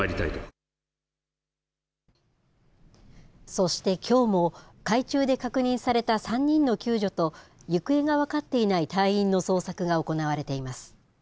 そして、きょうも海中で確認された３人の救助と行方が分かっていない隊員の捜索が行われています。